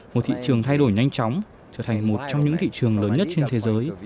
một thị trường thay đổi nhanh chóng trở thành một trong những thị trường lớn nhất trên thế giới